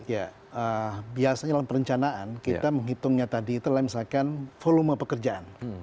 ya biasanya dalam perencanaan kita menghitungnya tadi itu adalah misalkan volume pekerjaan